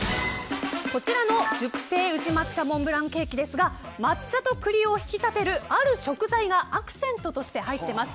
こちらの熟成宇治抹茶モンブランケーキですが抹茶と栗を引き立てるある食材がアクセントとして入っています。